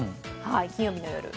金曜日の夜。